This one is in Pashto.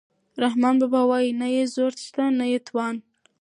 رحمان بابا وايي نه یې زور شته نه یې توان.